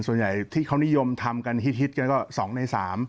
ส่วนใหญ่ที่เขานิยมทำกันฮิตกันก็๒ใน๓